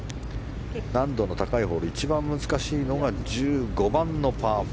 難度の高いホール一番難しいのが１５番のパー４。